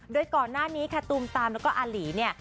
โดยก่อนหน้านี้ค่ะตูมตามแล้วก็อาหลีเนี่ย